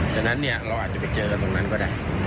ฉะนั้นเราอาจจะไปเจอกันตรงนั้นก็ได้